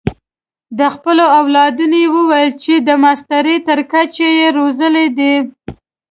د خپلو اولادونو یې وویل چې د ماسټرۍ تر کچې یې روزلي دي.